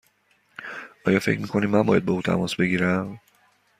آیا فکر می کنی من باید با او تماس بگیرم؟